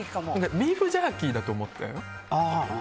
ビーフジャーキーだと思って。